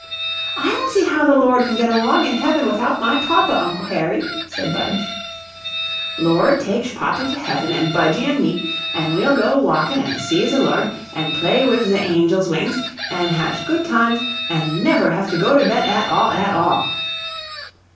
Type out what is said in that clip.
"I don't see how the Lord can get along in heaven without my papa, Uncle Harry," said Budge. "Lord takesh papa to heaven, an' Budgie an' me, an' we'll go walkin' an' see ze Lord, an' play wif ze angels' wings, an' hazh good timsh, an' never have to go to bed at all, at all."